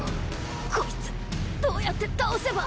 こいつどうやって倒せば。